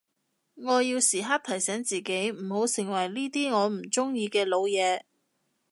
我要時刻提醒自己唔好成為呢啲我唔中意嘅老嘢